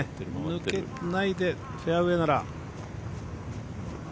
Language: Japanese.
抜けないでフェアウエーなら。